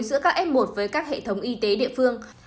giữa các f một với các hệ thống y tế địa phương